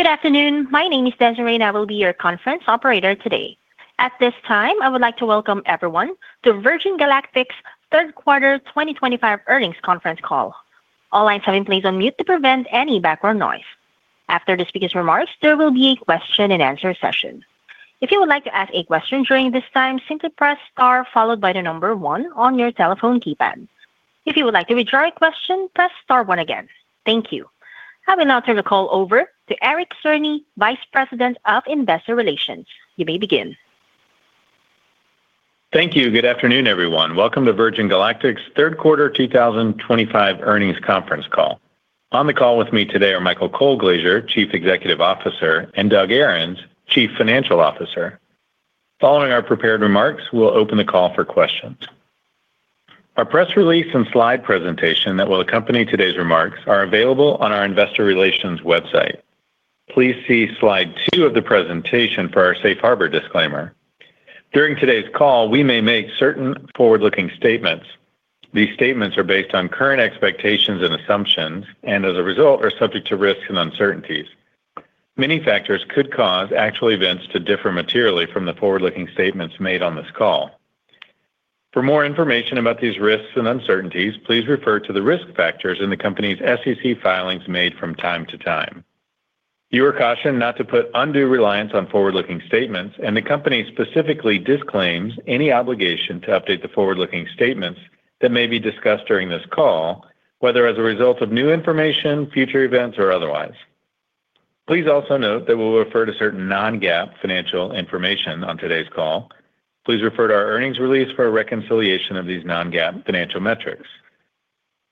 Good afternoon. My name is Desiree and I will be your conference operator today. At this time I would like to welcome everyone to Virgin Galactic's third quarter 2025 earnings conference call. All lines have been placed on mute to prevent any background noise. After the speaker's remarks, there will be a question-and-answer session. If you would like to ask a question during this time, simply press star followed by the number one on your telephone keypad. If you would like to withdraw a question, press star one again. Thank you. I will now turn the call over to Eric Cerny, Vice President of Investor Relations. You may begin. Thank you. Good afternoon everyone. Welcome to Virgin Galactic's third quarter 2025 earnings conference call. On the call with me today are Michael Colglazier, Chief Executive Officer, and Doug Ahrens, Chief Financial Officer. Following our prepared remarks, we'll open the call for questions. Our press release and slide presentation that will accompany today's remarks are available on our Investor Relations website. Please see slide two of the presentation for our safe harbor disclaimer. During today's call, we may make certain forward-looking statements. These statements are based on current expectations and assumptions and as a result are subject to risks and uncertainties. Many factors could cause actual events to differ materially from the forward-looking statements made on this call. For more information about these risks and uncertainties, please refer to the risk factors in the company's SEC filings made from time to time. You are cautioned not to put undue reliance on forward-looking statements and the company specifically disclaims any obligation to update the forward-looking statements that may be discussed during this call, whether as a result of new information, future events or otherwise. Please also note that we will refer to certain non-GAAP financial information on today's call. Please refer to our earnings release for a reconciliation of these non-GAAP financial metrics.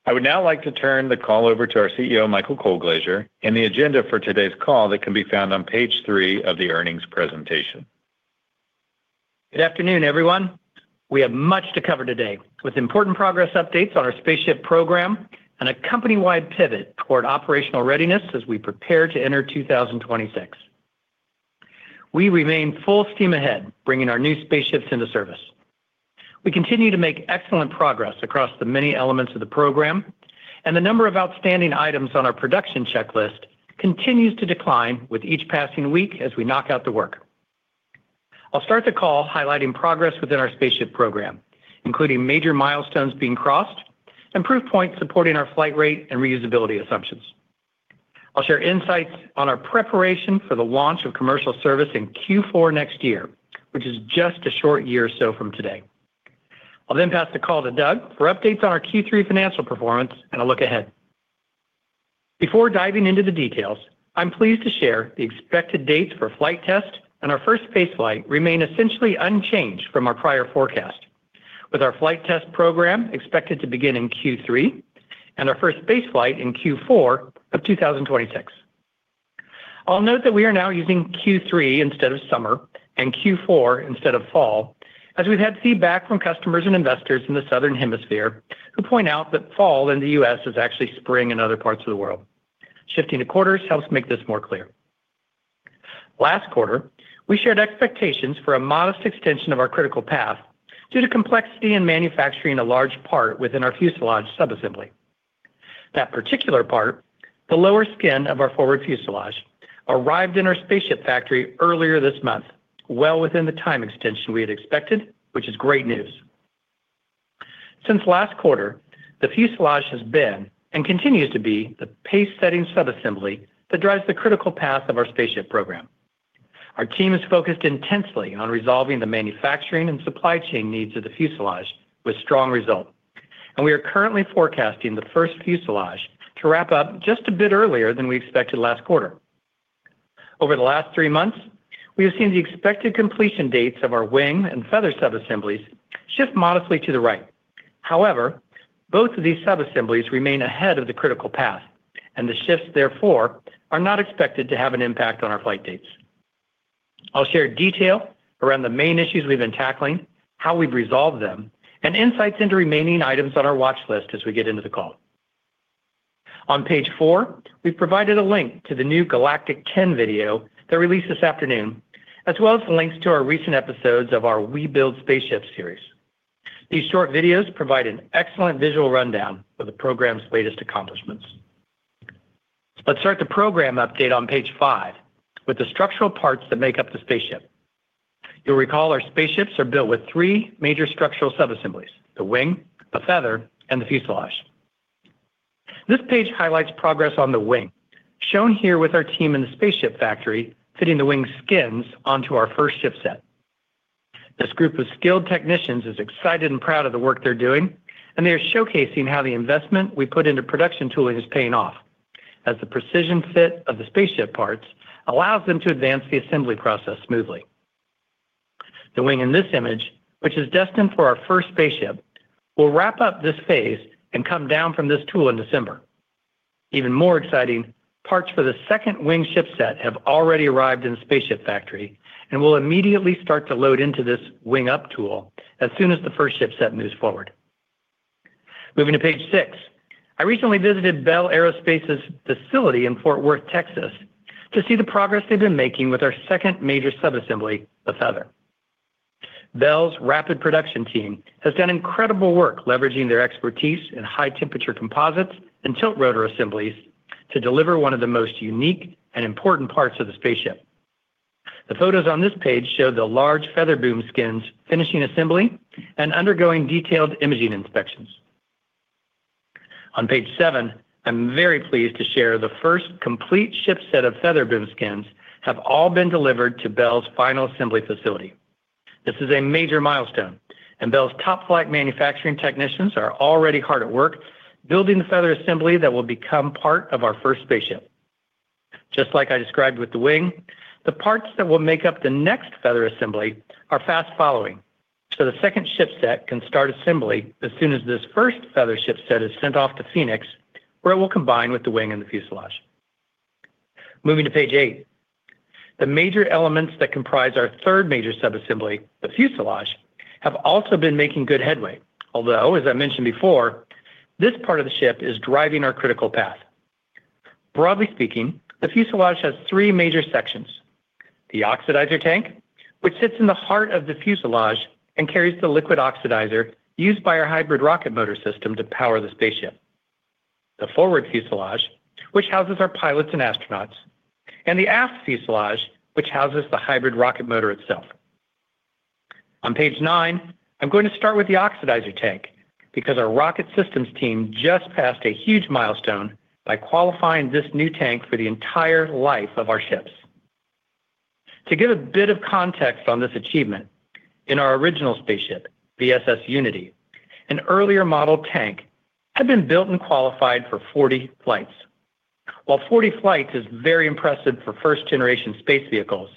I would now like to turn the call over to our CEO Michael Colglazier and the agenda for today's call that can be found on page three of the earnings presentation. Good afternoon everyone. We have much to cover today with important progress updates on our spaceship program and a company-wide pivot toward operational readiness as we prepare to enter 2026. We remain full steam ahead bringing our new spaceships into service. We continue to make excellent progress across the many elements of the program and the number of outstanding items on our production checklist continues to decline with each passing week as we knock out the work. I'll start the call highlighting progress within our spaceship program, including major milestones being crossed and proof points supporting our flight rate and reusability assumptions. I'll share insights on our preparation for the launch of commercial service in Q4 next year, which is just a short year or so from today. I'll then pass the call to Doug for updates on our Q3 financial performance and a look ahead. Before diving into the details, I'm pleased to share the expected dates for flight test and our first spaceflight remain essentially unchanged from our prior forecast. With our flight test program expected to begin in Q3 and our first spaceflight in Q4 of 2026. I'll note that we are now using Q3 instead of summer and Q4 instead of fall as we've had feedback from customers and investors in the Southern Hemisphere who point out that fall in the U.S. is actually spring in other parts of the world. Shifting to quarters helps make this more clear. Last quarter we shared expectations for a modest extension of our critical path due to complexity in manufacturing a large part within our fuselage sub-assembly. That particular part, the lower skin of our forward fuselage, arrived in our spaceship factory earlier this month, well within the time extension we had expected, which is great news. Since last quarter, the fuselage has been and continues to be the pace setting sub-assembly that drives the critical path of our spaceship program. Our team is focused intensely on resolving the manufacturing and supply chain needs of the fuselage, with strong result, and we are currently forecasting the first fuselage to wrap up just a bit earlier than we expected last quarter. Over the last three months, we have seen the expected completion dates of our wing and feather sub assemblies shift modestly to the right. However, both of these sub assemblies remain ahead of the critical path and the shifts therefore are not expected to have an impact on our flight dates. I'll share detail around the main issues we've been tackling, how we've resolved them, and insights into remaining items on our watch list. As we get into the call on page four, we provided a link to the new Galactic 10 video that released this afternoon, as well as the links to our recent episodes of our We Build Spaceship series. These short videos provide an excellent visual rundown of the program's latest accomplishments. Let's start the program update on page five with the structural parts that make up the spaceship. You'll recall our spaceships are built with three major structural sub assemblies, the wing, a feather, and the fuselage. This page highlights progress on the wing shown here with our team in the spaceship factory fitting the wing skins onto our first ship set. This group of skilled technicians is excited and proud of the work they're doing, and they are showcasing how the investment we put into production tooling is paying off as the precision fit of the spaceship parts allows them to advance the assembly process smoothly. The wing in this image, which is destined for our first spaceship, will wrap up this phase and come down from this tool in December. Even more exciting, parts for the second wing ship set have already arrived in the spaceship factory and will immediately start to load into this wing up tool as soon as the first ship set moves forward. Moving to page six, I recently visited Bell Aerospace's facility in Fort Worth, Texas to see the progress they've been making with our second major sub-assembly, the feather. Bell's rapid production team has done incredible work leveraging their expertise in high temperature composites and tilt rotor assemblies to deliver one of the most unique and important parts of the spaceship. The photos on this page show the large feather boom skins finishing assembly and undergoing detailed imaging inspections. On page seven, I'm very pleased to share the first complete ship set of feather boom skins have all been delivered to Bell's final assembly facility. This is a major milestone and Bell's top flight manufacturing technicians are already hard at work building the feather assembly that will become part of our first spaceship. Just like I described with the wing, the parts that will make up the next feather assembly are fast following so the second ship set can start assembly as soon as this first feather ship set is sent off to Phoenix where it will combine with the wing and the fuselage. Moving to page eight, the major elements that comprise our third major sub-assembly, the fuselage, have also been making good headway, although as I mentioned before, this part of the ship is driving our critical path. Broadly speaking, the fuselage has three major sections. The oxidizer tank, which sits in the heart of the fuselage and carries the liquid oxidizer used by our hybrid rocket motor system to power the spaceship. The forward fuselage, which houses our pilots and astronauts, and the aft fuselage which houses the hybrid rocket motor itself. On page nine, I'm going to start with the oxidizer tank because our rocket systems team just passed a huge milestone by qualifying this new tank for the entire life of our ships. To give a bit of context on this achievement, in our original spaceship, VSS Unity, an earlier model tank had been built and qualified for 40 flights. While 40 flights is very impressive for first generation space vehicles,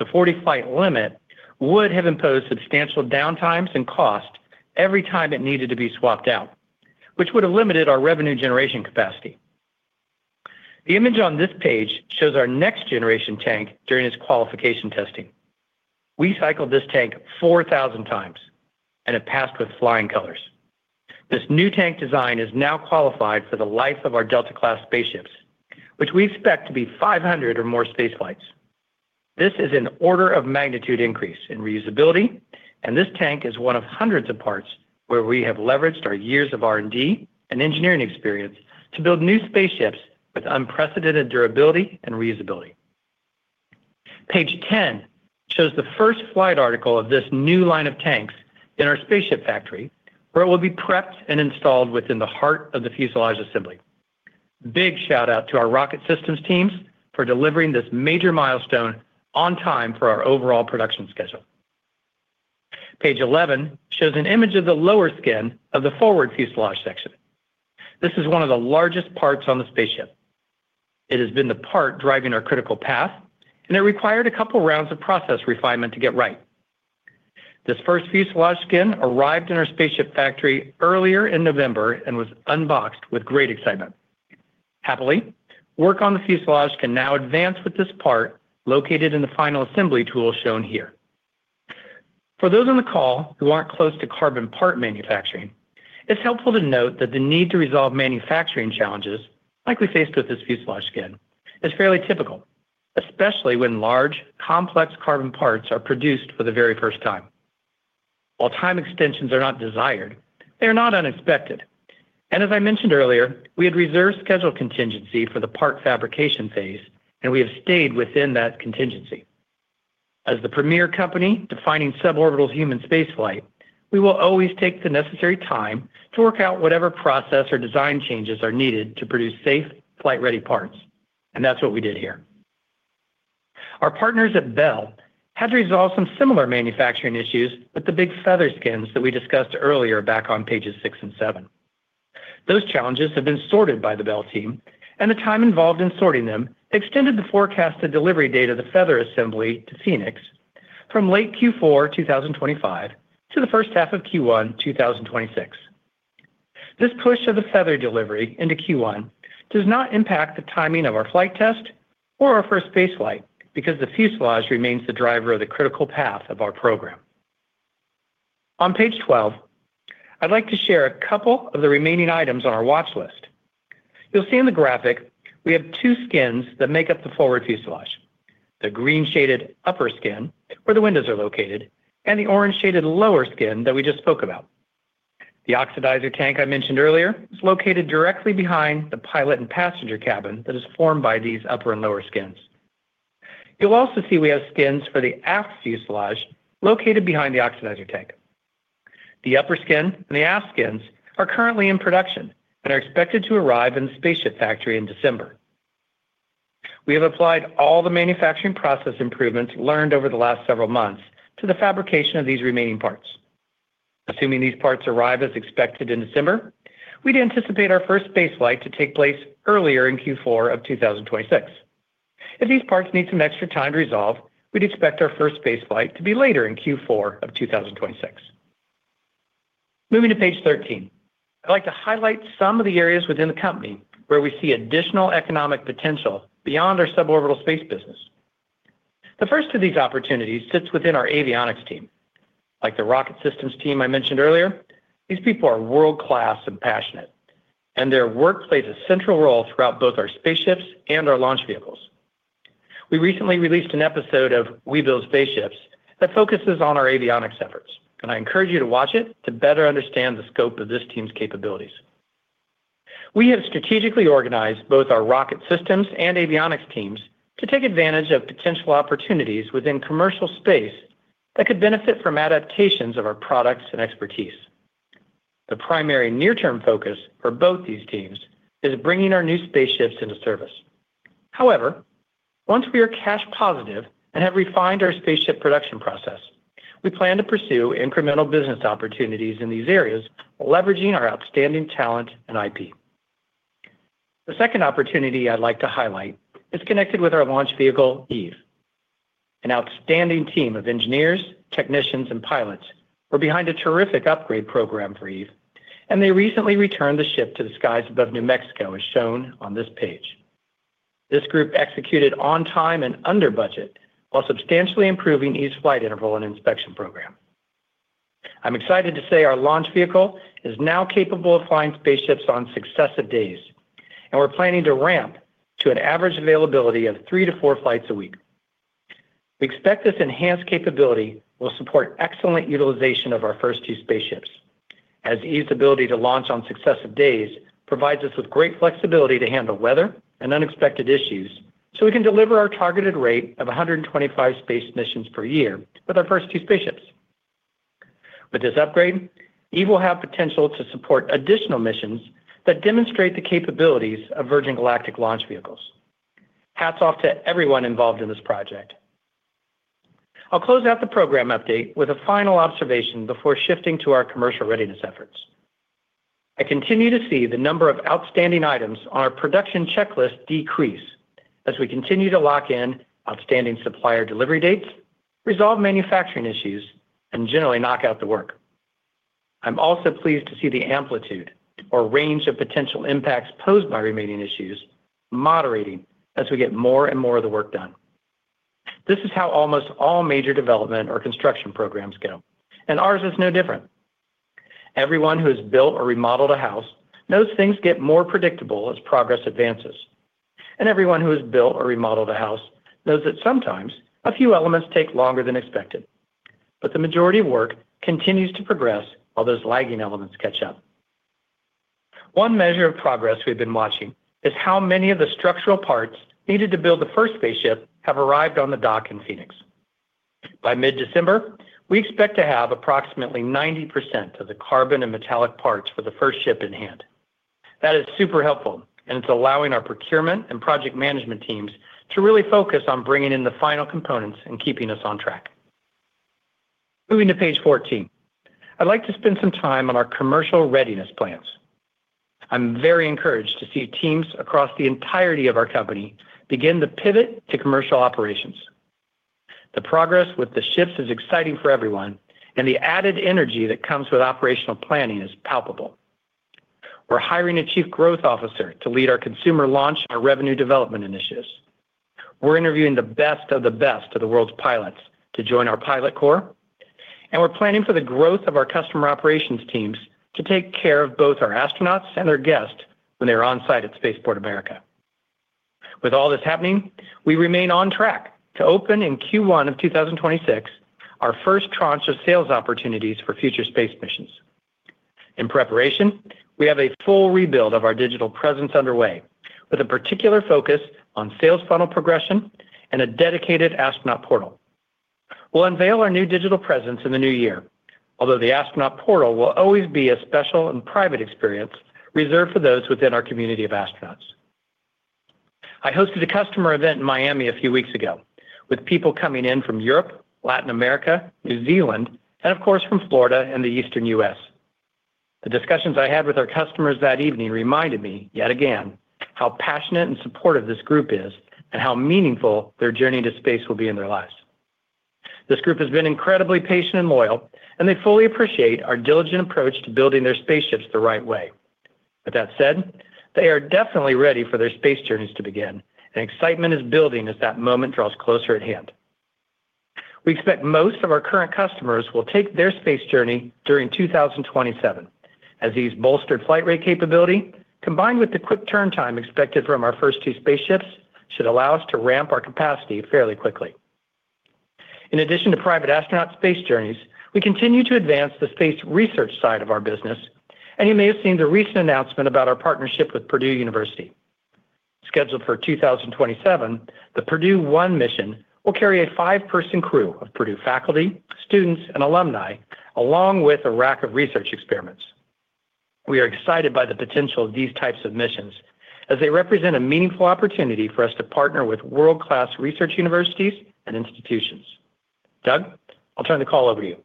the 40 flight limit would have imposed substantial downtimes and cost every time it needed to be swapped out, which would have limited our revenue generation capacity. The image on this page shows our next generation tank during its qualification testing. We cycled this tank 4,000x and it passed with flying colors. This new tank design is now qualified for the life of our Delta class spaceships, which we expect to be 500 or more spaceflights. This is an order of magnitude increase in reusability and this tank is one of hundreds of parts where we have leveraged our years of R&D and engineering experience to build new spaceships with unprecedented durability and reusability. Page 10 shows the first flight article of this new line of tanks in our spaceship factory where it will be prepped and installed within the heart of the fuselage assembly. Big shout out to our rocket systems teams for delivering this major milestone on time for our overall production schedule. Page 11 shows an image of the lower skin of the forward fuselage section. This is one of the largest parts on the spaceship. It has been the part driving our critical path and it required a couple rounds of process refinement to get right. This first fuselage skin arrived in our spaceship factory earlier in November and was unboxed with great excitement. Happily, work on the fuselage can now advance with this part located in the final assembly tool shown here. For those on the call who aren't close to carbon part manufacturing, it's helpful to note that the need to resolve manufacturing challenges like we faced with this fuselage skin is fairly typical, especially when large complex carbon parts are produced for the very first time. While time extensions are not desired, they are not unexpected. As I mentioned earlier, we had reserved schedule contingency for the part fabrication phase and we have stayed within that contingency. As the premier company defining suborbital human spaceflight, we will always take the necessary time to work out whatever process or design changes are needed to produce safe flight ready parts. That's what we did here. Our partners at Bell had to resolve some similar manufacturing issues with the big feather skins that we discussed earlier back on pages six and seven. Those challenges have been sorted by the Bell team, and the time involved in sorting them extended the forecasted delivery date of the feather assembly to Phoenix from late Q4 2025 to the first half of Q1 2026. This push of the feather delivery into Q1 does not impact the timing of our flight test or our first spaceflight because the fuselage remains the driver of the critical path of our program. On page 12, I'd like to share a couple of the remaining items on our watch list. You'll see in the graphic we have two skins that make up the forward fuselage, the green shaded upper skin where the windows are located and the orange shaded lower skin that we just spoke about. The oxidizer tank I mentioned earlier is located directly behind the pilot and passenger cabin that is formed by these upper and lower skins. You'll also see we have skins for the aft fuselage located behind the oxidizer tank. The upper skin and the aft skins are currently in production and are expected to arrive in the spaceship factory in December. We have applied all the manufacturing process improvements learned over the last several months to the fabrication of these remaining parts. Assuming these parts arrive as expected in December, we'd anticipate our first base flight to take place earlier in Q4 of 2026. If these parts need some extra time to resolve, we'd expect our first spaceflight to be later in Q4 of 2026. Moving to page 13, I'd like to highlight some of the areas within the company where we see additional economic potential beyond our suborbital space business. The first of these opportunities sits within our avionics team. Like the rocket systems team I mentioned earlier, these people are world class and passionate and their work plays a central role throughout both our spaceships and our launch vehicles. We recently released an episode of We Build Spaceships that focuses on our avionics efforts and I encourage you to watch it to better understand the scope of this team's capabilities. We have strategically organized both our rocket systems and avionics teams to take advantage of potential opportunities within commercial space that could benefit from adaptations of our products and expertise. The primary near term focus for both these teams is bringing our new spaceships into service. However, once we are cash positive and have refined our spaceship production process, we plan to pursue incremental business opportunities in these areas, leveraging our outstanding talent and IP. The second opportunity I'd like to highlight is connected with our launch vehicle, Eve. An outstanding team of engineers, technicians and pilots are behind a terrific upgrade program for Eve and they recently returned the ship to the skies above New Mexico, as shown on this page. This group executed on time and under budget while substantially improving each flight interval and inspection program. I'm excited to say our launch vehicle is now capable of flying spaceships on successive days and we're planning to ramp to an average availability of three to four flights a week. We expect this enhanced capability will support excellent utilization of our first two spaceships as Eve's ability to launch on successive days provides us with great flexibility to handle weather and unexpected issues so we can deliver our targeted rate of 125 space missions per year with our first two spaceships. With this upgrade Eve will have potential to support additional missions that demonstrate the capabilities of Virgin Galactic launch vehicles. Hats off to everyone involved in this project. I'll close out the program update with a final observation before shifting to our commercial readiness efforts. I continue to see the number of outstanding items on our production checklist decrease as we continue to lock in outstanding supplier delivery dates, resolve manufacturing issues, and generally knock out the work. I'm also pleased to see the amplitude or range of potential impacts posed by remaining issues moderating as we get more and more of the work done. This is how almost all major development or construction programs go, and ours is no different. Everyone who has built or remodeled a house knows things get more predictable as progress advances. Everyone who has built or remodeled a house knows that sometimes a few elements take longer than expected, but the majority of work continues to progress, all those lagging elements catch up. One measure of progress we've been watching is how many of the structural parts needed to build the first spaceship have arrived on the dock in Phoenix. By mid December, we expect to have approximately 90% of the carbon and metallic parts for the first ship in hand. That is super helpful, and it's allowing our procurement and project management teams to really focus on bringing in the final components and keeping us on track. Moving to page 14, I'd like to spend some time on our commercial readiness plans. I'm very encouraged to see teams across the entirety of our company begin to pivot to commercial operations. The progress with the shifts is exciting for everyone, and the added energy that comes with operational planning is palpable. We're hiring a Chief Growth Officer to lead our consumer launch, our revenue development initiatives. We're interviewing the best of the best of the world's pilots to join our pilot corps, and we're planning for the growth of our customer operations teams to take care of both our astronauts and their guests when they're on site at Spaceport America. With all this happening, we remain on track to open in Q1 of 2026 our first tranche of sales opportunities for future space missions. In preparation, we have a full rebuild of our digital presence underway, with a particular focus on sales funnel progression and a dedicated astronaut portal. We'll unveil our new digital presence in the new year. Although the Astronaut Portal will always be a special and private experience reserved for those within our community of astronauts. I hosted a customer event in Miami a few weeks ago with people coming in from Europe, Latin America, New Zealand, and of course from Florida and the eastern U.S. The discussions I had with our customers that evening reminded me yet again how passionate and supportive this group is and how meaningful their journey to space will be in their lives. This group has been incredibly patient and loyal and they fully appreciate our diligent approach to building their spaceships the right way. With that said, they are definitely ready for their space journeys to begin and excitement is building as that moment draws closer at hand. We expect most of our current customers will take their space journey during 2027 as these bolstered flight rate capability combined with the quick turn time expected from our first two spaceships should allow us to ramp our capacity fairly quickly. In addition to private astronaut space journeys, we continue to advance the space research side of our business. You may have seen the recent announcement about our partnership with Purdue University. Scheduled for 2027, the Purdue 1 mission will carry a five person crew of Purdue faculty, students and alumni along with a rack of research experiments. We are excited by the potential of these types of missions as they represent a meaningful opportunity for us to partner with world class research universities and institutions. Doug, I'll turn the call over to you.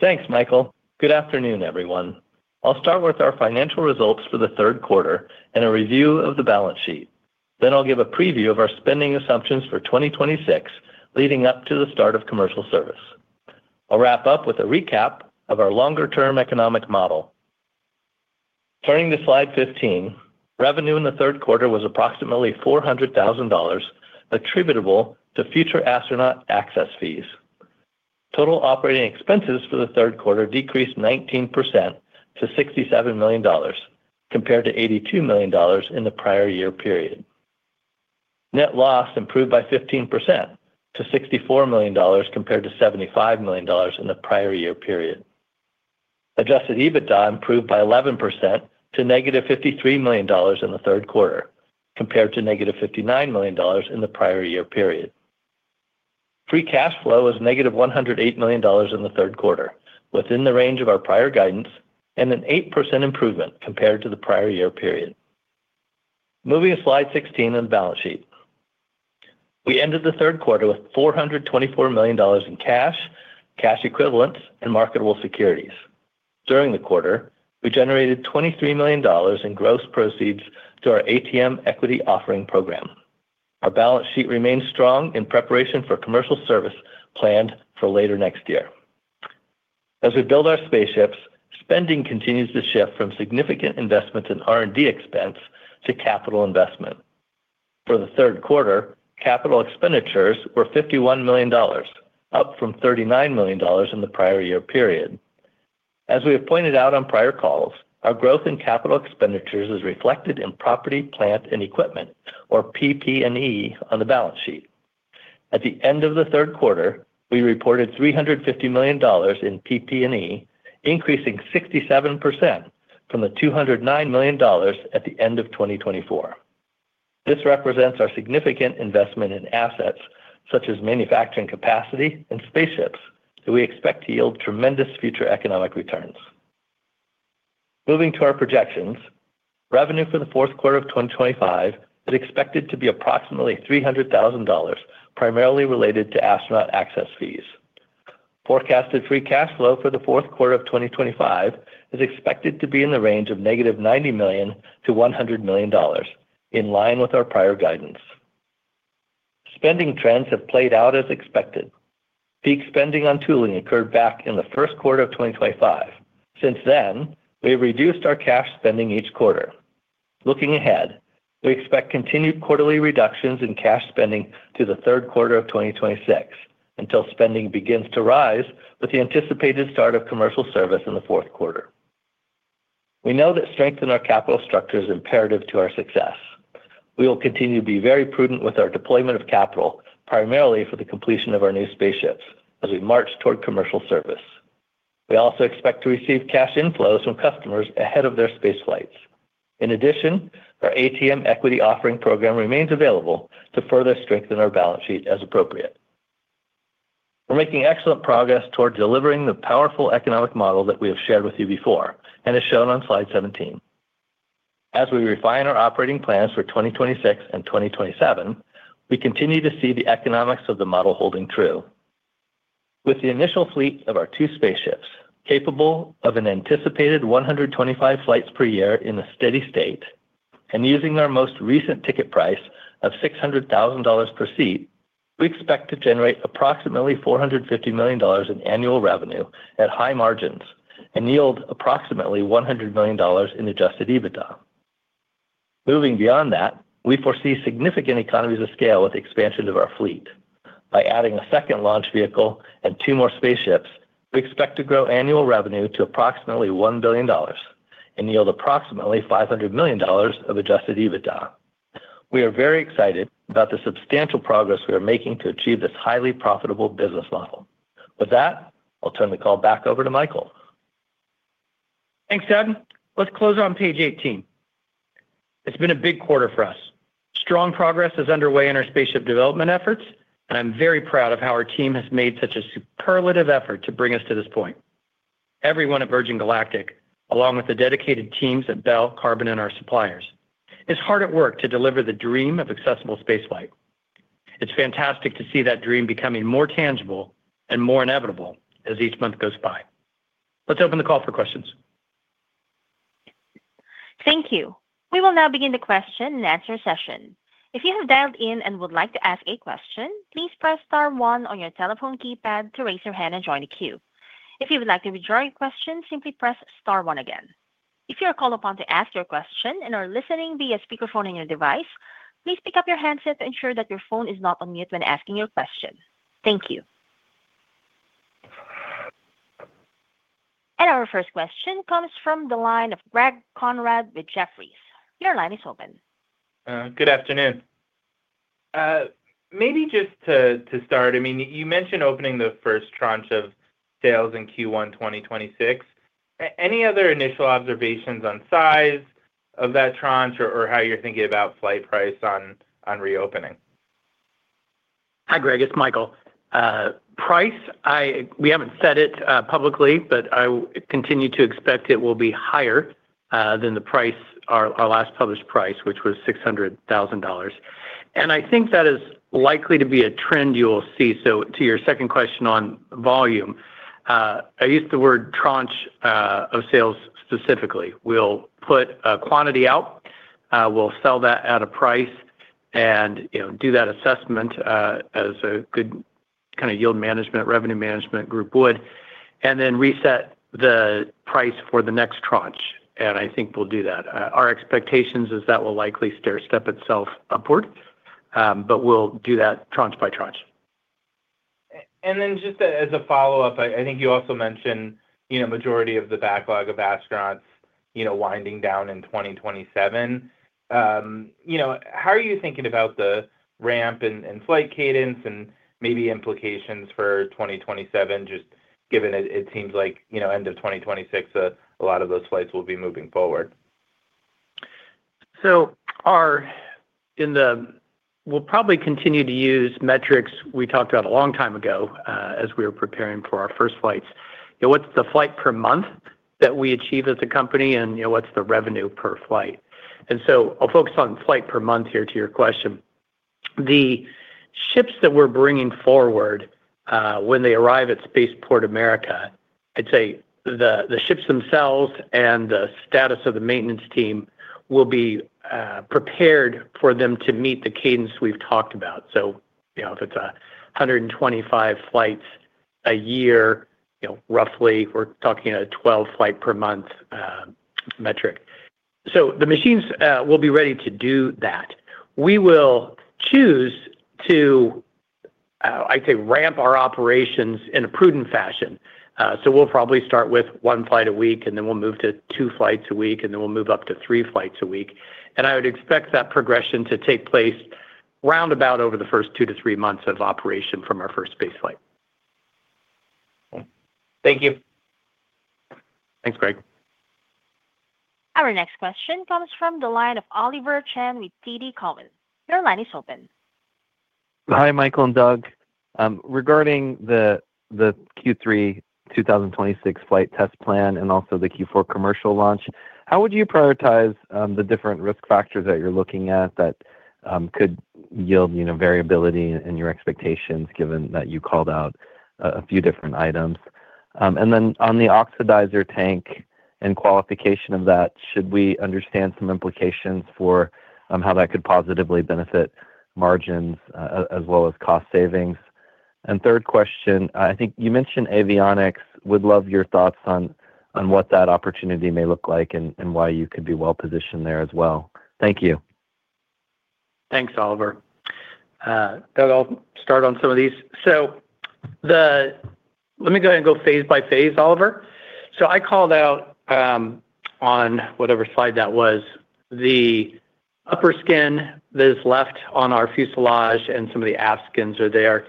Thanks, Michael. Good afternoon everyone. I'll start with our financial results for the third quarter and a review of the balance sheet. Then I'll give a preview of our spending assumptions for 2026 leading up to the start of commercial service. I'll wrap up with a recap of our longer term economic model. Turning to slide 15. Revenue in the third quarter was approximately $400,000 attributable to future astronaut access fees. Total operating expenses for the third quarter decreased 19% to $67 million compared to $82 million in the prior year period. Net loss improved by 15% to $64 million compared to $75 million in the prior year period. Adjusted EBITDA improved by 11% to -$53 million in the third quarter compared to -$59 million in the prior year period. Free cash flow was -$108 million in the third quarter, within the range of our prior guidance and an 8% improvement compared to the prior year period. Moving to Slide 16 on the balance sheet, we ended the third quarter with $424 million in cash, cash equivalents and marketable securities. During the quarter we generated $23 million in gross proceeds to our ATM Equity Offering Program. Our balance sheet remains strong in preparation for commercial service planned for later next year. As we build our spaceships, spending continues to shift from significant investments in R&D expense and to capital investment. For the third quarter, capital expenditures were $51 million, up from $39 million in the prior year period. As we have pointed out on prior calls, our growth in capital expenditures is reflected in property, plant and equipment, or PP&E on the balance sheet. At the end of the third quarter, we reported $350 million in PP&E, increasing 67% from the $209 million at the end of 2024. This represents our significant investment in assets such as manufacturing capacity and spaceships that we expect to yield tremendous future economic returns. Moving to our projections, revenue for the fourth quarter of 2025 is expected to be approximately $300,000, primarily related to astronaut access fees. Forecasted free cash flow for the fourth quarter of 2025 is expected to be in the range of negative $90 million-$100 million. In line with our prior guidance, spending trends have played out as expected. Peak spending on tooling occurred back in the first quarter of 2025. Since then, we have reduced our cash spending each quarter. Looking ahead, we expect continued quarterly reductions in cash spending through the third quarter of 2026 until spending begins to rise, with the anticipated start of commercial service in the fourth quarter, we know that strength in our capital structure is imperative to our success. We will continue to be very prudent with our deployment of capital primarily for the completion of our new spaceships. As we march toward commercial service, we also expect to receive cash inflows from customers ahead of their space flights. In addition, our ATM Equity offering program remains available to further strengthen our balance sheet as appropriate. We're making excellent progress toward delivering the powerful economic model that we have shared with you before and is shown on Slide 17. As we refine our operating plans for 2026 and 2027, we continue to see the economics of the model holding true with the initial fleet of our two spaceships capable of an anticipated 125 flights per year in a steady state, and using our most recent ticket price of $600,000 per seat, we expect to generate approximately $450 million in annual revenue at high margins and yield approximately $100 million in Adjusted EBITDA. Moving beyond that, we foresee significant economies of scale with the expansion of our fleet. By adding a second launch vehicle and two more spaceships, we expect to grow annual revenue to approximately $1 billion and yield approximately $500 million of Adjusted EBITDA. We are very excited about the substantial progress we are making to achieve this highly profitable business model. With that, I'll turn the call back over to Michael. Thanks, Doug. Let's close on page 18. It's been a big quarter for us. Strong progress is underway in our spaceship development efforts. I'm very proud of how our team has made such a superlative effort to bring us to this point. Everyone at Virgin Galactic, along with the dedicated teams at Bell Textron, Carbon Aerospace, and our suppliers, is hard at work to deliver the dream of accessible spaceflight. It's fantastic to see that dream becoming more tangible and more inevitable as each month goes by. Let's open the call for questions. Thank you. We will now begin the question-and-answer session. If you have dialed in and would like to ask a question, please press star one on your telephone keypad to raise your hand and join the queue. If you would like to withdraw your question, simply press star one again. If you are called upon to ask your question and are listening via speakerphone on your device, please pick up your handset to ensure that your phone is not on mute when asking your question. Thank you. Our first question comes from the line of Greg Konrad with Jefferies. Your line is open. Good afternoon. Maybe just to start, I mean, you mentioned opening the first tranche of sales in Q1 2026. Any other initial observations on size of that tranche or how you're thinking about flight price on reopening? Hi, Greg, it's Michael. Price, we haven't said it publicly, but I continue to expect it will be higher than the price, our last published price, which was $600,000 and I think that is likely to be a trend you will see. To your second question on volume, I used the word of sales specifically. We'll put a quantity out, we'll sell that at a price and you know, do that assessment as a good kind of yield management, revenue management group would and then reset the price for the next tranche. I think we'll do that. Our expectation is that will likely stair step itself upward, but we'll do that tranche by tranche. Just as a follow up, I think you also mentioned, you know, majority of the backlog of astronauts, you know, winding down in 2027. You know, how are you thinking about the ramp and flight cadence and maybe implications for 2027 just given it seems like, you know, end of 2026, a lot of those flights will be moving forward. In the, we'll probably continue to use metrics we talked about a long time ago as we were preparing for our first flights. What's the flight per month that we achieve as a company and what's the revenue per flight? I'll focus on flight per month here to your question. The ships that we're bringing forward, when they arrive at Spaceport America, I'd say the ships themselves and the status of the maintenance team will be prepared for them to meet the cadence we've talked about. You know, if it's 125 flights a year, you know, roughly we're talking a 12 flight per month metric. The machines will be ready to do that. We will choose to, I'd say, ramp our operations in a prudent fashion. We'll probably start with one flight a week and then we'll move to two flights a week and then we'll move up to three flights a week. I would expect that progression to take place roundabout over the first two to three months of operation from our first spaceflight. Thank you. Thanks, Greg. Our next question comes from the line of Oliver Chen with TD Cowen. Your line is open. Hi, Michael and Doug, regarding the Q3 2026 flight test plan and also the Q4 commercial launch, how would you prioritize the different risk factors that you're looking at that could yield variability in your expectations, given that you called out a few different items? On the oxidizer tank and qualification of that, should we understand some implications for how that could positively benefit margins as well as cost savings? Third question, I think you mentioned avionics. Would love your thoughts on what that opportunity may look like and why you could be well positioned there as well. Thank you. Thanks, Oliver. Doug, I'll start on some of these. Let me go ahead and go phase by phase, Oliver. I called out on whatever slide that was, the upper skin that is left on our fuselage and some of the aft skins are there.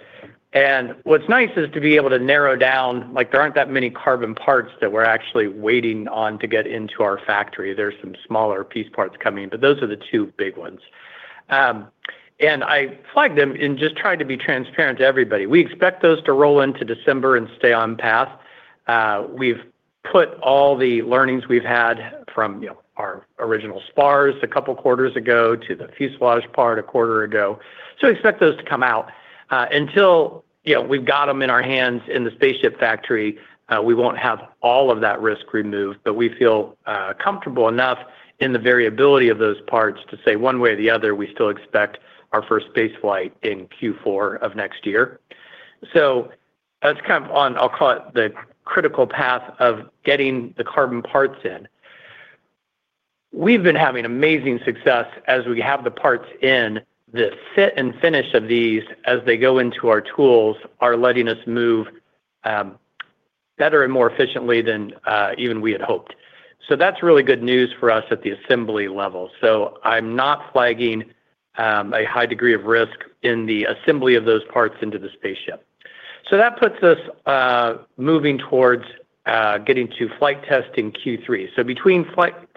What's nice is to be able to narrow down, like there aren't that many carbon parts that we're actually waiting on to get into our factory. There are some smaller piece parts coming, but those are the two big ones and I flagged them in, just trying to be transparent to everybody. We expect those to roll into December and stay on path. We've put all the learnings we've had from our original spars a couple quarters ago to the fuselage part a quarter ago. Expect those to come out until, you know, we've got them in our hands in the spaceship factory. We won't have all of that risk removed, but we feel comfortable enough in the variability of those part to say one way or the other. We still expect our first spaceflight in Q4 of next year. That's kind of on. I'll call it the critical path of getting the carbon parts in. We've been having amazing success as we have the parts in. The fit and finish of these as they go into our tools are letting us move better and more efficiently than even we had hoped. That's really good news for us at the assembly level. I'm not flagging a high degree of risk in the assembly of those parts into the spaceship. That puts us moving towards getting to flight test in Q3. Between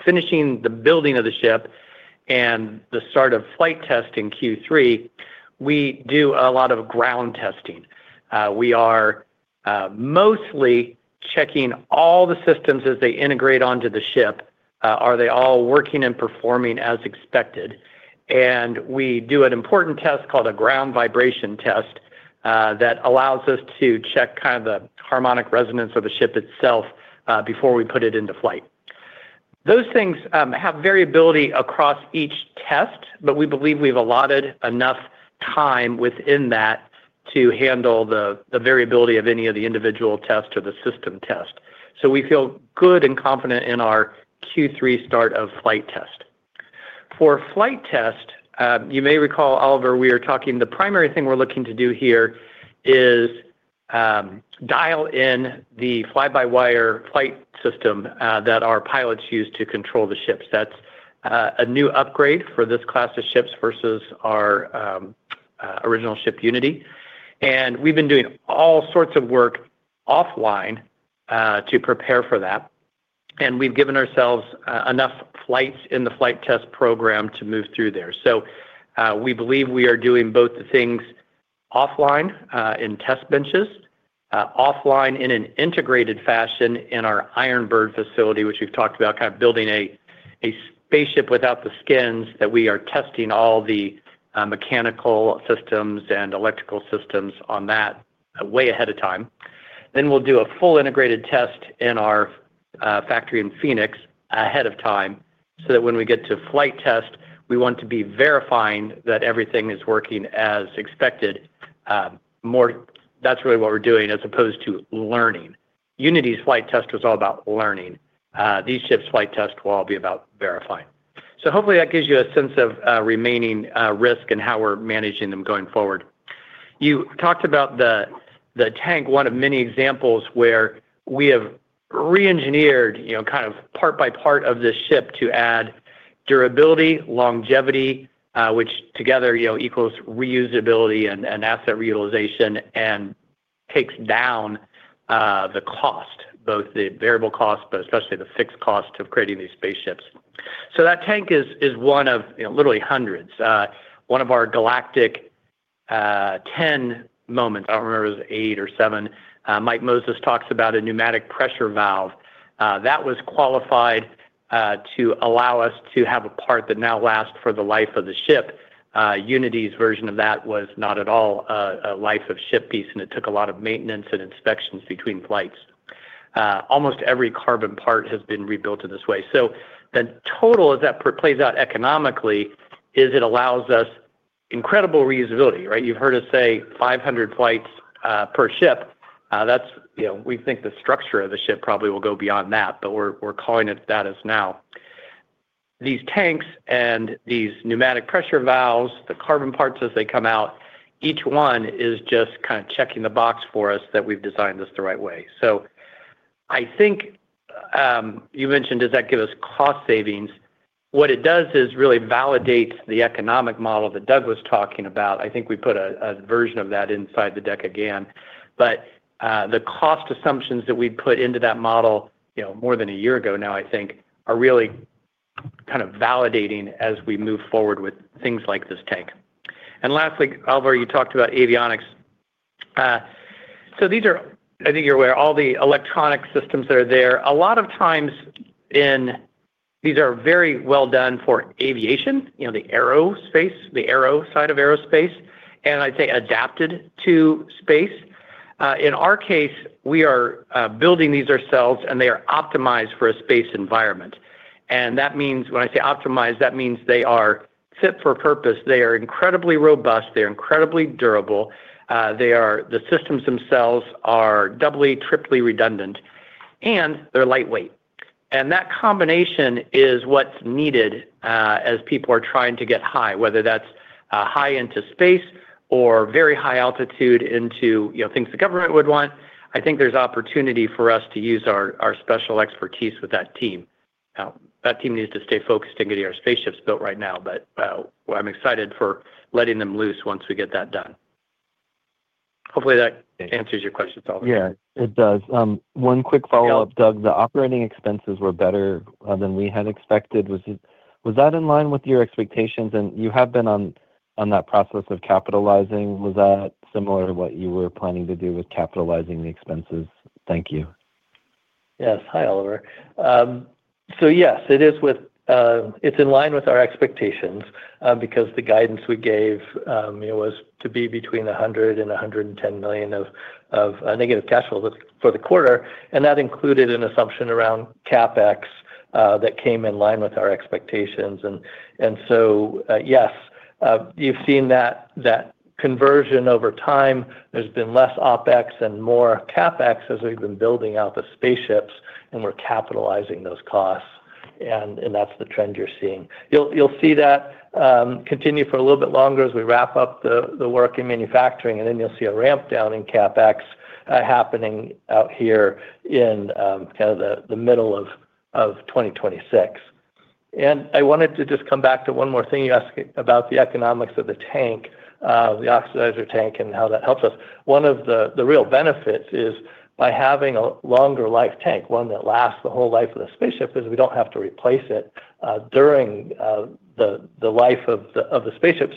finishing the building of the ship and the start of flight test in Q3, we do a lot of ground testing. We are mostly checking all the systems as they integrate onto the ship. Are they all working and performing as expected? We do an important test called a ground vibration test that allows us to check kind of the harmonic resonance of the ship itself before we put it into flight. Those things have variability across each test, but we believe we've allotted enough time within that to handle the variability of any of the individual tests or the system test. We feel good and confident in our Q3 start of flight test. For flight test, you may recall, Oliver, we are talking the primary thing we're looking to do here is dial in the fly by wire flight system that our pilots use to control the ships. That's a new upgrade for this class of ships versus our original ship, Unity. We've been doing all sorts of work offline to prepare for that. We've given ourselves enough flights in the flight test program to move through there. We believe we are doing both the things offline in test benches, offline in an integrated fashion in our Iron Bird facility, which we've talked about, kind of building a spaceship without the skins, that we are testing all the mechanical systems and electrical systems on that way ahead of time. We will do a full integrated test in our factory in Phoenix ahead of time so that when we get to flight test, we want to be verifying that everything is working as expected. That is really what we are doing as opposed to learning. Unity's flight test was all about learning. These ships' flight test will all be about verifying. Hopefully that gives you a sense of remaining risk and how we are managing them going forward. You talked about the tank, one of many examples where we have re-engineered kind of part by part of this ship to add durability, longevity, which together equals reusability and asset reutilization and takes down the cost, both the variable cost, but especially the fixed cost of creating these spaceships. That tank is one of literally hundreds of one of our galactic ten moments. I do not remember eight or seven. Mike Moses talks about a pneumatic pressure valve that was qualified to allow us to have a part that now lasts for the life of the ship. Unity's version of that was not at all a life of ship piece. It took a lot of maintenance and inspections between flights. Almost every carbon part has been rebuilt in this way. The total as that plays out economically is it allows us incredible reusability. Right. You've heard us say 500 flights per ship. That's, you know, we think the structure of the ship probably will go beyond that, but we're calling it that as now these tanks and these pneumatic pressure valves, the carbon parts as they come out, each one is just kind of checking the box for us that we've designed this the right way. I think you mentioned does that give us cost savings? What it does is really validates the economic model that Doug was talking about. I think we put a version of that inside the deck again, but the cost assumptions that we put into that model more than a year ago now, I think are really kind of validating as we move forward with things like this tank. Lastly, Oliver, you talked about avionics. These are, I think you're aware, all the electronic systems that are there. A lot of times in these are very well done for aviation. You know, the aerospace, the aero side of aerospace, and I'd say adapted to space. In our case, we are building these ourselves and they are optimized for a space environment. That means, when I say optimized, that means they are fit for purpose. They are incredibly robust, they're incredibly durable. The systems themselves are doubly, triply redundant and they're lightweight. That combination is what's needed as people are trying to get high. Whether that's high into space or very high altitude into things the government would want, I think there's opportunity for us to use our special expertise with that team. That team needs to stay focused and getting our spaceships built right now. I'm excited for letting them loose once we get that done. Hopefully that answers your question, Oliver. Yeah, it does. One quick follow up, Doug. The operating expenses were better than we had expected. Was that in line with your expectations? And you have been on that process of capitalizing, was that similar to what you were planning to do with capitalizing the expenses? Thank you. Yes. Hi, Oliver. Yes, it is in line with our expectations, because the guidance we gave was to be between $100 million and $110 million of negative cash flow for the quarter. That included an assumption around CapEx that came in line with our expectations. Yes, you've seen that conversion over time. There's been less OpEx and more CapEx as we've been building out the spaceships and we're capitalizing those costs. That's the trend you're seeing. You'll see that continue for a little bit longer as we wrap up the work in manufacturing and then you'll see a ramp down in CapEx happening out here in kind of the middle of 2026. I wanted to just come back to one more thing. You asked about the economics of the tank, the oxidizer tank, and how that helps us. One of the real benefits is by having a longer life tank, one that lasts the whole life of the spaceship, we do not have to replace it during the life of the spaceship.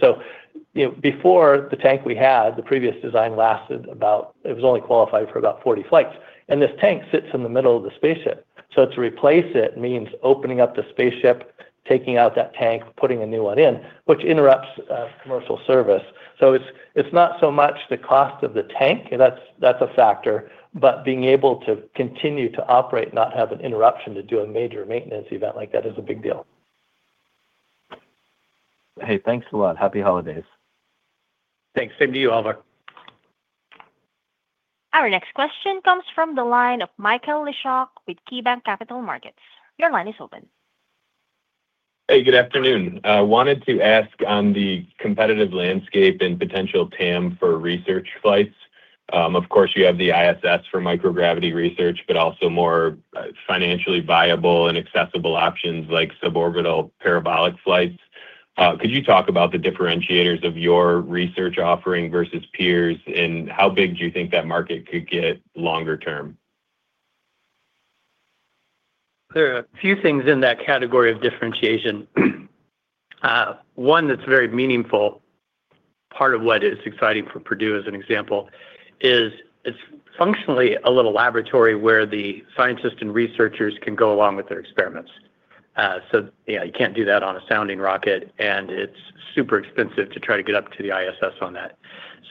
Before, the tank we had, the previous design lasted about, it was only qualified for about 40 flights. This tank sits in the middle of the spaceship. To replace it means opening up the spaceship, taking out that tank, putting a new one in, which interrupts commercial service. It's not so much the cost of the tank that's a factor, but being able to continue to operate, not have an interruption to do a major maintenance event like that is a big deal. Hey, thanks a lot. Happy holidays. Thanks. Same to you, Oliver. Our next question comes from the line of Michael Leshock with KeyBanc Capital Markets. Your line is open. Hey, good afternoon. Wanted to ask on the competitive landscape and potential TAM for research flights. Of course you have the ISS for microgravity research, but also more financially viable and accessible options like suborbital parabolic flights. Could you talk about the differentiators of your research offering versus peers and how big do you think that market could get longer term? There are a few things in that category of differentiation. One that's very meaningful. Part of what is exciting for Purdue as an example is it's functionally a little laboratory where the scientists and researchers can go along with their experiments. Yeah, you can't do that on a sounding rocket and it's super expensive to try to get up to the ISS on that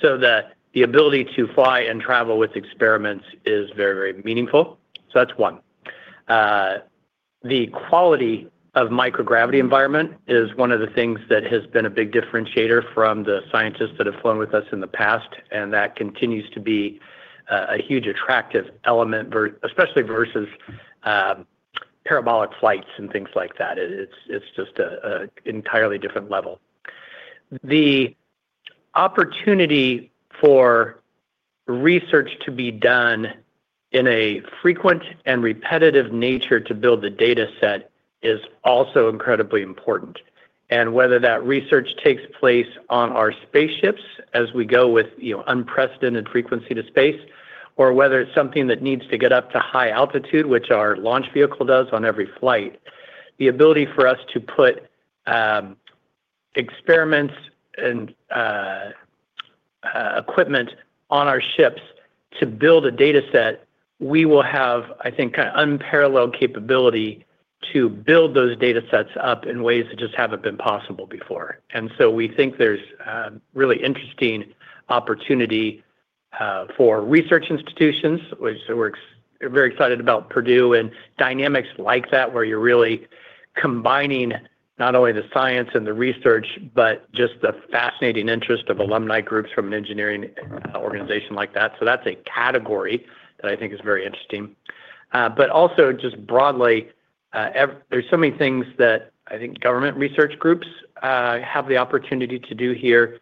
so the ability to fly and travel with experiments is very, very meaningful. That's one. The quality of microgravity environment is one of the things that has been a big differentiator from the scientists that have flown with us in the past, and that continues to be a huge attractive element, especially versus parabolic flights and things like that. It's just an entirely different level. The opportunity for research to be done in a frequent and repetitive nature to build the data set is also incredibly important. Whether that research takes place on our spaceships as we go with unprecedented frequency to space, or whether it's something that needs to get up to high altitude, which our launch vehicle does on every flight, the ability for us to put experiments and equipment on our ships to build a data set, we will have, I think, unparalleled capability to build those data sets up in ways that just haven't been possible before. We think there's really interesting opportunity for research institutions which works. Very excited about Purdue and dynamics like that, where you're really combining not only the science and the research, but just the fascinating interest of alumni groups from an engineering organization like that. That is a category that I think is very interesting. Also, just broadly, there are so many things that I think government research groups have the opportunity to do here.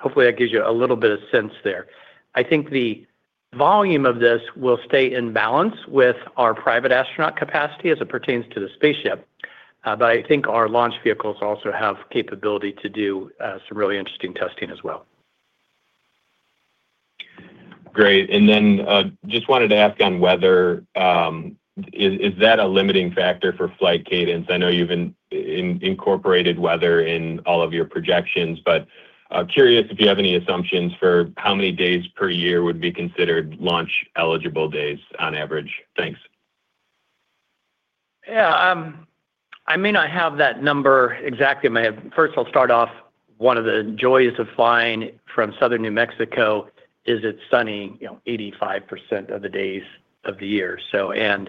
Hopefully that gives you a little bit of sense there. I think the volume of this will stay in balance with our private astronaut capacity as it pertains to the spaceship. I think our launch vehicles also have capability to do some really interesting testing as well. Great. I just wanted to ask on weather, is that a limiting factor for flight cadence? I know you've incorporated weather in all of your projections, but curious if you have any assumptions for how many days per year would be considered launch eligible days on average. Thanks. Yeah, I mean, I have that number exactly. First, I'll start off. One of the joys of flying from southern New Mexico is it's sunny, you know, 85% of the days of the year. And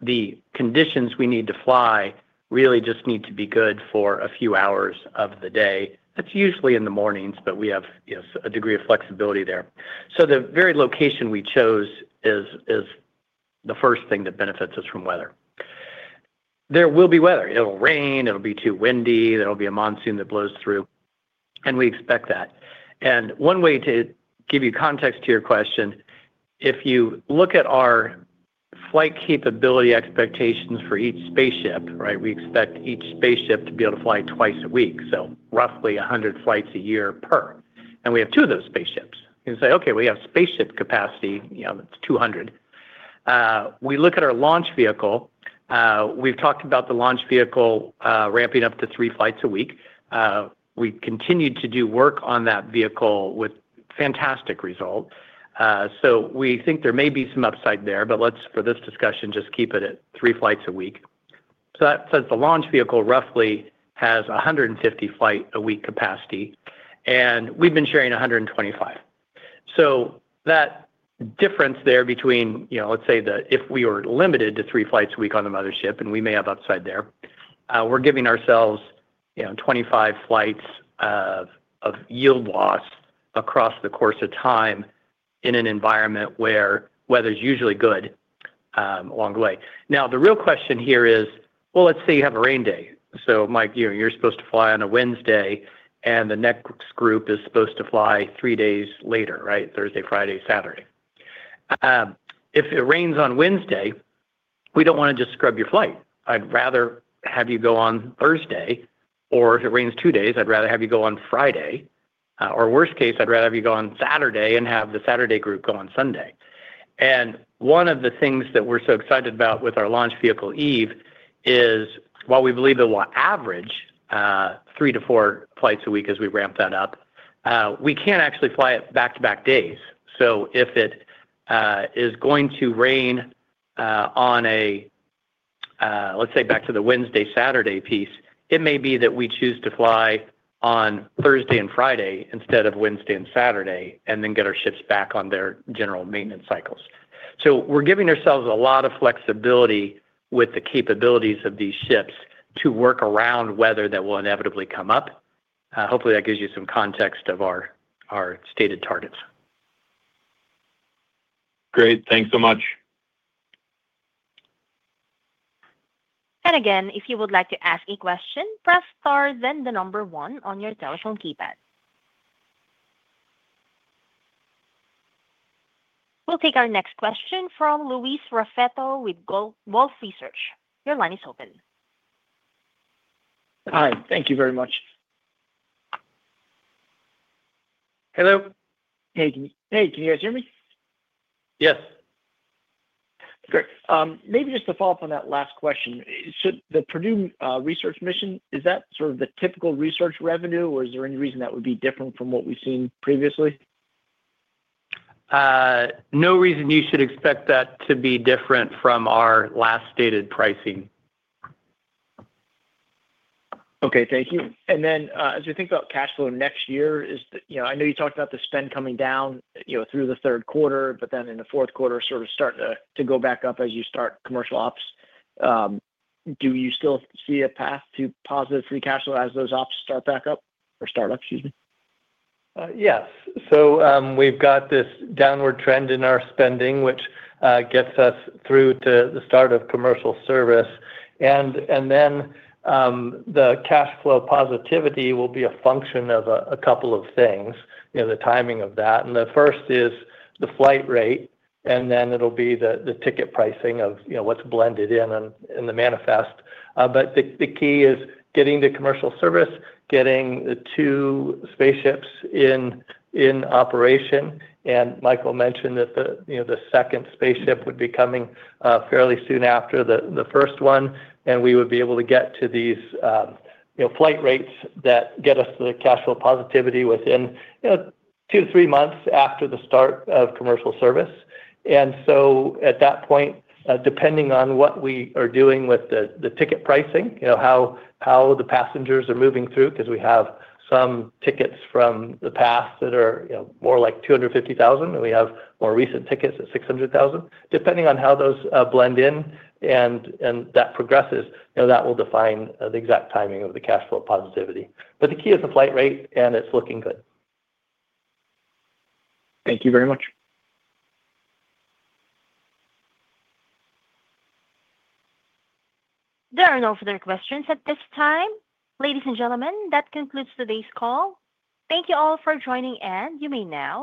the conditions we need to fly really just need to be good for a few hours of the day. That's usually in the mornings, but we have a degree of flexibility there. So the very location we chose is the first thing that benefits us from weather. There will be weather. It will rain, it'll be too windy, there will be a monsoon that blows through, and we expect that. And one way to give you context to your question, if you look at our flight capability expectations for each spaceship, right? We expect each spaceship to be able to fly twice a week. So roughly 100 flights a year per. And we have two of those spaceships and say, okay, we have spaceship capacity, you know, it's 200. We look at our launch vehicle. We've talked about the launch vehicle ramping up to three flights a week. We continue to do work on that vehicle with fantastic result. So we think there may be some upside there. For this discussion, just keep it at three flights a week. That says the launch vehicle roughly has 150 flight a year capacity, and we've been sharing 125. That difference there between, you know, let's say that if we were limited to three flights a week on the mothership, and we may have upside there, we're giving ourselves 25 flights of yield loss across the course of time in an environment where weather is usually good along the way. Now, the real question here is, let's say you have a rain day. Mike, you're supposed to fly on a Wednesday, and the next group is supposed to fly three days later, right? Thursday, Friday, Saturday. If it rains on Wednesday, we don't want to just scrub your flight. I'd rather have you go on Thursday. Or if it rains two days, I'd rather have you go on Friday. Or worst case, I'd rather have you go on Saturday and have the Saturday group go on Sunday. One of the things that we're so excited about with our launch vehicle Eve is while we believe the average three to four flights a week, as we ramp that up, we can actually fly it back-to-back days. If it is going to rain on a, let's say, back to the Wednesday-Saturday piece, it may be that we choose to fly on Thursday and Friday instead of Wednesday and Saturday, and then get our ships back on their general maintenance cycles. We're giving ourselves a lot of flexibility with the capabilities of these ships to work around weather that will inevitably come up. Hopefully that gives you some context of our stated targets. Great. Thanks so much. If you would like to ask a question, press star, then the number one on your telephone keypad. We will take our next question from Louis Raffeto with Wolfe Research. Your line is open. Hi. Thank you very much. Hello. Hey, can you guys hear me? Yes. Great. Maybe just to follow up on that last question, the Purdue research mission, is that sort of the typical research revenue or is there any reason that would be different from what we've seen previously? No reason you should expect that to be different from our last stated pricing. Okay, thank you. As we think about cash flow, next year is, you know, I know you talked about the spend coming down, you know, through the third quarter, but then in the fourth quarter sort of starting to go back up as you start commercial ops, do you still see a path to positive free cash flow as those ops start back up or start up? Excuse me. Yes. So we've got this downward trend in our spending which gets us through to the start of commercial service. And then the cash flow positivity will be a function of a couple of things. You know, the timing of that, and the first is the flight rate, and then it'll be the ticket pricing of, you know, what's blended in the manifest. But the key is getting the commercial service, getting the two spaceships in operation. And Michael mentioned that the second spaceship would be coming fairly soon after the first one, and we would be able to get to these flight rates that get us the cash flow positivity within two to three months after the start of commercial service. At that point, depending on what we are doing with the ticket pricing, you know, how the passengers are moving through, because we have some tickets from the past that are more like $250,000, and we have more recent tickets at $600,000, depending on how those blend in and that progresses. That will define the exact timing of the cash flow positivity. The key is the flight rate, and it's looking good. Thank you very much. There are no further questions at this time, ladies and gentlemen. That concludes today's call. Thank you all for joining. You may now disconnect.